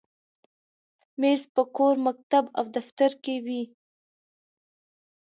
مېز په کور، مکتب، او دفتر کې وي.